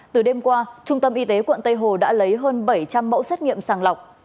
từ đêm qua trung tâm y tế quận tây hồ đã lấy hơn bảy trăm linh mẫu xét nghiệm sàng lọc